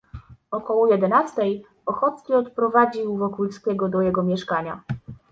"Około jedenastej Ochocki odprowadził Wokulskiego do jego mieszkania."